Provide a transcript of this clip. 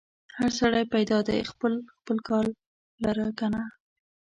هر سړی پیدا دی خپل خپل کار لره که نه؟